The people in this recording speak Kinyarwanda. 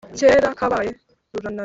kera kabaye, rurananirwa,